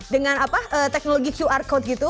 dengan teknologi qr code gitu